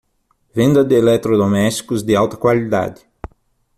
Venda de eletrodomésticos de alta qualidade